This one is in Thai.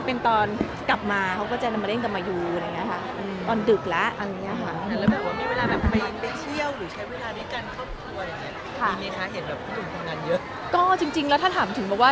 เย็นอยู่กับลูกรูปให้เวลา